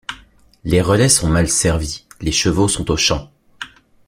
Les relais sont mal servis, les chevaux sont aux champs.